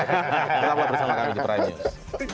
kita berbicara lagi di prinews